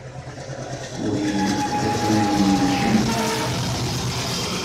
Win d afran-nnem kemm.